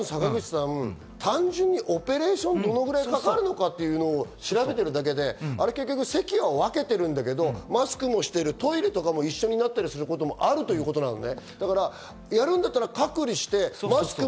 単純にオペレーションがどれくらいかかるのかっていうのを調べてるだけで結局、席は分けてるんだけどマスクもしてる、トイレとかも一緒になったりすることもあるということなのね。